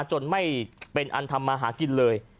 จนไม่เป็นอันทำมาหากินเลย